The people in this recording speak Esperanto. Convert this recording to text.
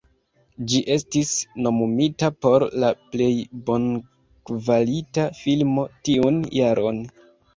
Ĝi estis nomumita por la Plej Bonkvalita Filmo tiun jaron.